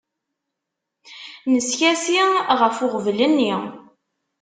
Neskasi ɣef uɣbel-nni.